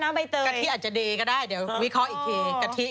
กะทิอาจจะดีก็ได้เดี๋ยววิเคราะห์อีกครีม